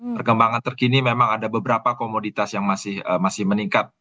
perkembangan terkini memang ada beberapa komoditas yang masih meningkat